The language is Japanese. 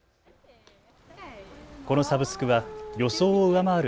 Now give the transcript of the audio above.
このサブスクは予想を上回る